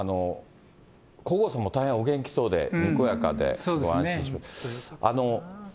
皇后さまも大変お元気そうで、にこやかで、安心しました。